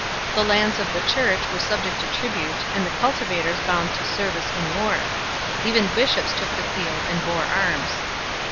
The lands of the Church were subject to tribute and the cultivators bound to service in war ; even bishops took the field arid bore arms 3